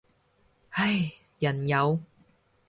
唉，人有